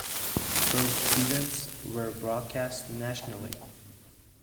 Both events were broadcast nationally.